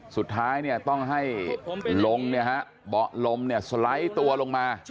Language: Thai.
สุดท้ายเนี่ยต้องให้ลงเบาะลมสไลด์ตัวลงมา